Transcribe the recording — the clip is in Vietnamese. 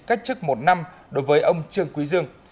cách chức một năm đối với ông trương quý dương